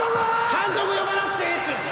監督呼ばなくていいっていうの！